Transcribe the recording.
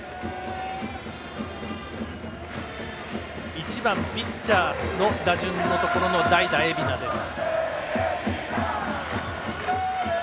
１番ピッチャーの打順のところの代打、蝦名です。